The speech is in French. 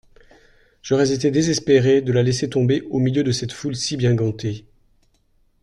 J'aurais été désespérée de la laisser tomber au milieu de cette foule si bien gantée.